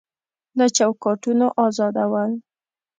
له چوکاټونو ازادول